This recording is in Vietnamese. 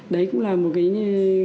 đấy cũng là một cái